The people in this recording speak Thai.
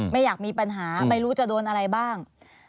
ไม่อยากมีปัญหาไม่รู้จะโดนอะไรบ้าง